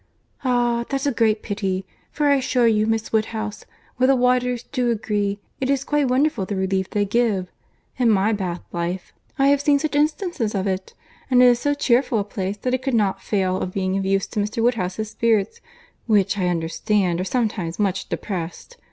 "Ah! that's a great pity; for I assure you, Miss Woodhouse, where the waters do agree, it is quite wonderful the relief they give. In my Bath life, I have seen such instances of it! And it is so cheerful a place, that it could not fail of being of use to Mr. Woodhouse's spirits, which, I understand, are sometimes much depressed.